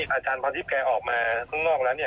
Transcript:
อาจารย์พอทริปแกออกมาข้างนอกแล้วนี่